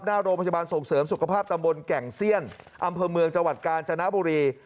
หน้าโรงพยาบาลส่งเสริมสุขภาพตำบลแก่งเซียนอำเภอเมืองจังหวัดกาญจนบุรี